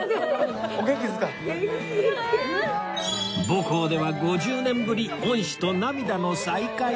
母校では５０年ぶり恩師と涙の再会